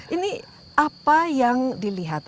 ini apa yang dilihat